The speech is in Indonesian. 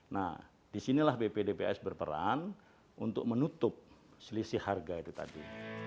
nah di sinilah bpdpks berperan untuk menutup selisih harga itu tadi